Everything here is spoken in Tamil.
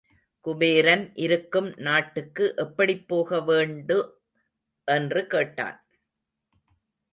குபேரன் இருக்கும் நாட்டுக்கு எப்படிப் போக வேண்டு? என்று கேட்டான்.